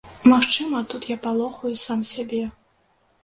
Магчыма, тут я палохаю сам сябе.